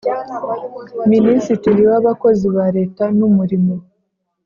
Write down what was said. minisitiri w’abakozi ba leta n’umurimo